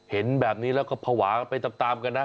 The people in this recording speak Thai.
เห็นแบบนี้แล้วก็ภาวะไปตามกันนะ